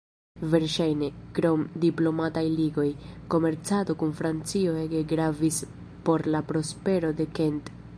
Verŝajne, krom diplomataj ligoj, komercado kun Francio ege gravis por la prospero de Kent.